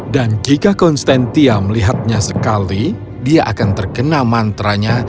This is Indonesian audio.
dan jika konstantia melihatnya sekali dia akan terkena mantra nya